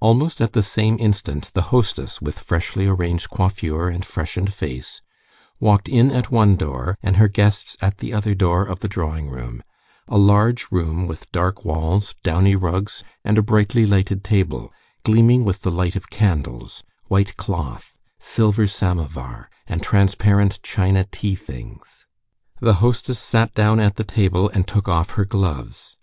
Almost at the same instant the hostess, with freshly arranged coiffure and freshened face, walked in at one door and her guests at the other door of the drawing room, a large room with dark walls, downy rugs, and a brightly lighted table, gleaming with the light of candles, white cloth, silver samovar, and transparent china tea things. The hostess sat down at the table and took off her gloves.